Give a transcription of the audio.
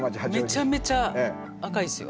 めちゃめちゃ赤いですよ。